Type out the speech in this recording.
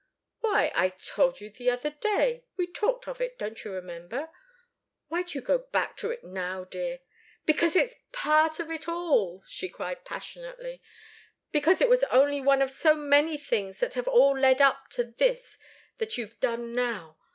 "Why I told you the other day we talked of it, don't you remember? Why do you go back to it now, dear?" "Because it's part of it all," she cried, passionately. "Because it was only one of so many things that have all led up to this that you've done now.